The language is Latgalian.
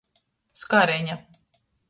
Skareņa.